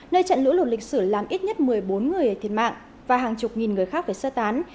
nơi trận lũ lụt lịch sử làm ít nhất một mươi bốn người thiệt mạng và hàng chục nghìn người khác phải sơ tán